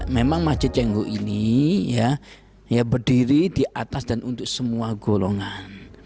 memang masjid cengho ini berdiri di atas dan untuk semua golongan